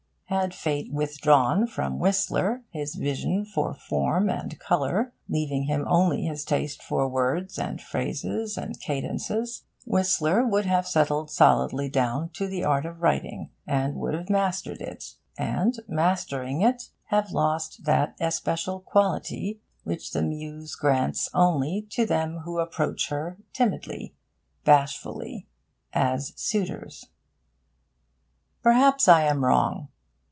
Had Fate withdrawn from Whistler his vision for form and colour, leaving him only his taste for words and phrases and cadences, Whistler would have settled solidly down to the art of writing, and would have mastered it, and, mastering it, have lost that especial quality which the Muse grants only to them who approach her timidly, bashfully, as suitors. Perhaps I am wrong.